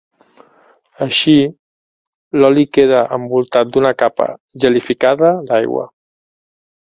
Així, l'oli queda envoltat d'una capa gelificada d'aigua.